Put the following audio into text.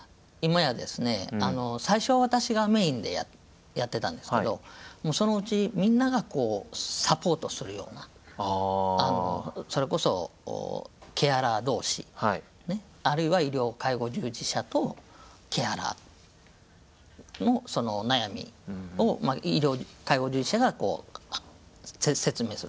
最初は私がメインでやってたんですけどもうそのうちみんながサポートするようなそれこそケアラー同士あるいは医療介護従事者とケアラーの悩みを医療介護従事者が説明する。